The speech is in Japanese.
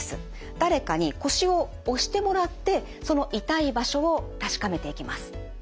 誰かに腰を押してもらってその痛い場所を確かめていきます。